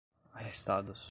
arrestados